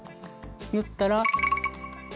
縫ったら。